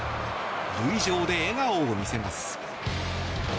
塁上で笑顔を見せます。